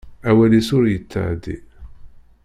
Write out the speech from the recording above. Awal-is ur yettεeddi.